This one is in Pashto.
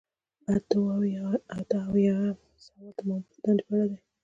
اته اویایم سوال د مامور د دندې په اړه دی.